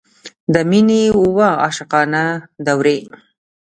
د مینې اوه عاشقانه دورې.